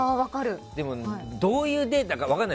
でも、どういうデータか分からない。